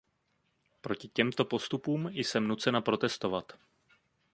Proti těmto postupům jsem nucena protestovat.